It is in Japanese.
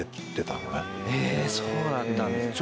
へぇそうだったんですね。